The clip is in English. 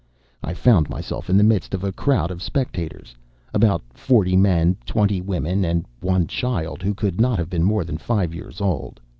I found myself in the midst of a crowd of spectators about forty men, twenty women, and one child who could not have been more than five years old.